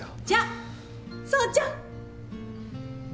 じゃあ奏ちゃん！